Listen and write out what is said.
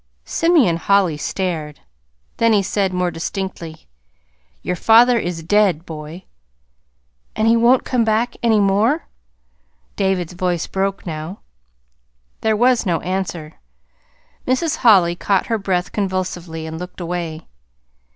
Simeon Holly stared. Then he said more distinctly: "Your father is dead, boy." "And he won't come back any more?" David's voice broke now. There was no answer. Mrs. Holly caught her breath convulsively and looked away.